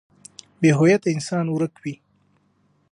بې هويته انسان ورک وي.